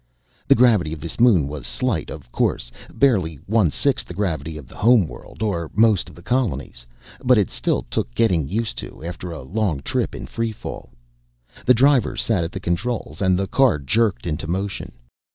The gravity of this Moon was slight, of course barely one sixth the gravity of the Home World or most of the colonies but it still took getting used to, after a long trip in free fall. The driver sat at the controls, and the car jerked into motion.